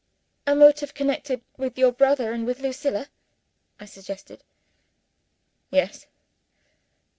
"A motive connected with your brother and with Lucilla?" I suggested. "Yes.